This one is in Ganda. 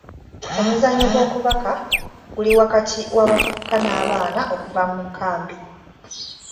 Omuzannyo gw'okubaka guli wakati w'abavubuka n'abaana okuva mu nkambi.